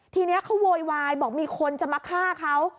ทีนี้เขาโวยวายบอกมีคนจะมาฆ่าเขา